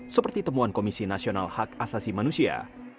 seperti temuan komisi nasional hak asasi manusia